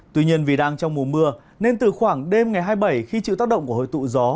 tuy nhiên vì đang trong mùa mưa nên từ khoảng đêm ngày hai mươi bảy khi chịu tác động của hồi tụ gió